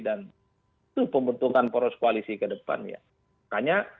dan itu pembentukan poros koalisi ke depannya